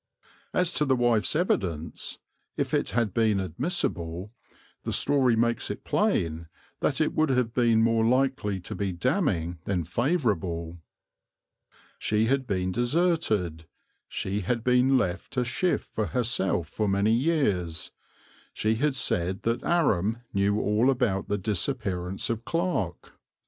As to the wife's evidence, if it had been admissible, the story makes it plain that it would have been more likely to be damning than favourable. She had been deserted, she had been left to shift for herself for many years, she had said that Aram knew all about the disappearance of Clarke.